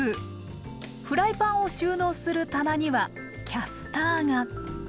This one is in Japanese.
フライパンを収納する棚にはキャスターが！